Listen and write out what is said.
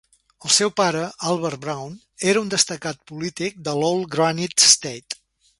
El seu pare, Albert Brown, era un destacat polític de l'Old Granite State.